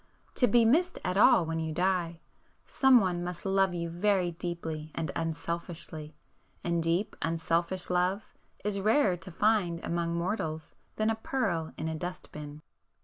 To be missed at all when you die, some one must love you very deeply and unselfishly; and deep unselfish love is rarer to find among mortals than a pearl in a dust bin.